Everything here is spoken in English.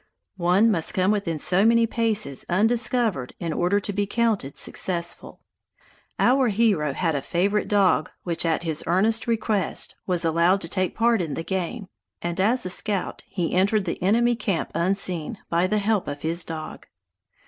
One must come within so many paces undiscovered in order to be counted successful. Our hero had a favorite dog which, at his earnest request, was allowed to take part in the game, and as a scout he entered the enemy camp unseen, by the help of his dog.